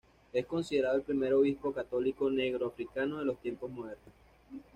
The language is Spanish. Es considerado el primer obispo católico negro africano de los tiempos modernos.